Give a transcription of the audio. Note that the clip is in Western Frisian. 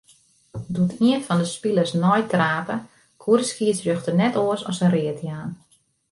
Doe't ien fan 'e spilers neitrape, koe de skiedsrjochter net oars as read jaan.